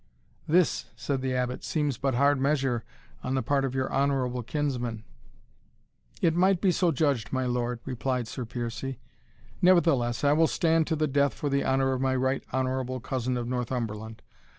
"This," said the Abbot, "seems but hard measure on the part of your honourable kinsman." "It might be so judged, my lord," replied Sir Piercie; "nevertheless, I will stand to the death for the honour of my Right Honourable Cousin of Northumberland.